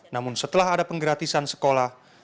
namun setelah ada penggratisan sekolah